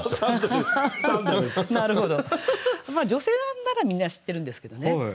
女性ならみんな知ってるんですけどね